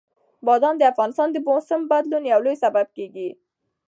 بادام د افغانستان د موسم د بدلون یو لوی سبب کېږي.